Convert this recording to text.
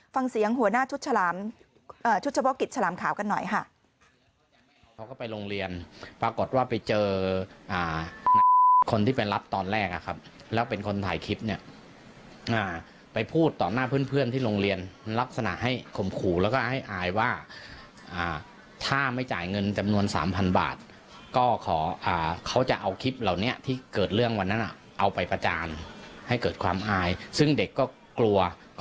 ฟังเสียงหัวหน้าชุดฉลามชุดเฉพาะกิจฉลามขาวกันหน่อยค่ะ